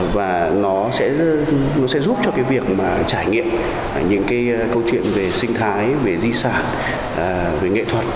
và nó sẽ giúp cho cái việc mà trải nghiệm những cái câu chuyện về sinh thái về di sản về nghệ thuật